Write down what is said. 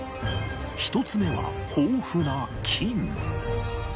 １つ目は豊富な金